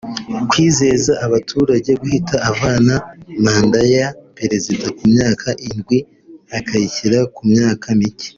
kwizeza abaturage guhita avana manda ya perezida ku myaka indwi akayishyira ku myaka mike